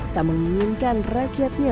tak menginginkan rakyatnya